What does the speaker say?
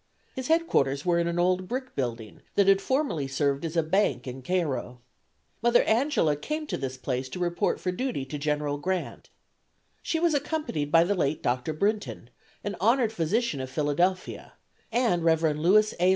His headquarters were in an old brick building that had formerly served as a bank in Cairo. Mother Angela came to this place to report for duty to General Grant. She was accompanied by the late Dr. Brinton, an honored physician of Philadelphia, and Rev. Louis A.